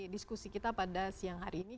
diskusi kita pada siang hari ini